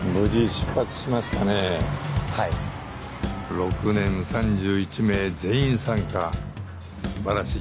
６年３１名全員参加素晴らしい。